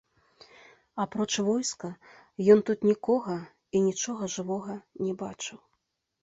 Апроч войска, ён тут нікога і нічога жывога не бачыў.